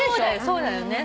そうだよね。